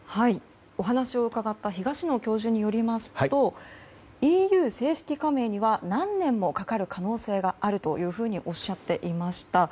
お話を伺った東野教授によりますとＥＵ正式加盟には何年もかかる可能性があるとおっしゃっていました。